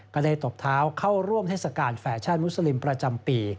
ตบเท้าเข้าร่วมเทศกาลแฟชั่นมุสลิมประจำปี